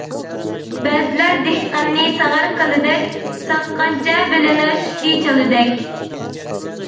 بەزىلەر دېھقاننى ساغار كالىدەك، ساغقانچە بىلىنەر سۈتى چالىدەك.